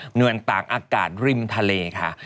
เหมือนตากอากาศริมทะเลค่ะ